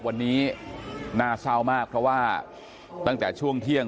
วันนี้น่าเศร้ามากเพราะว่าตั้งแต่ช่วงเที่ยง